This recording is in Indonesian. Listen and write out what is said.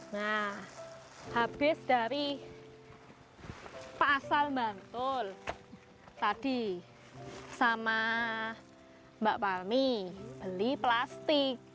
nah habis dari pak asal bang tol tadi sama mbak palmi beli plastik